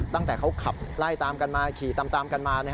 ตั้งแต่เขาขับไล่ตามกันมา